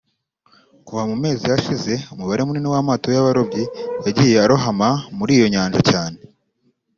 Kuva mu mezi yashize umubare munini w’amato y’abarobyi yagiye arohama muri iyo Nyanja cyane